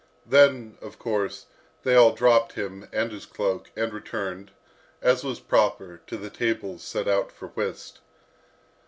Then, of course, they all dropped him and his cloak, and returned, as was proper, to the tables set out for whist.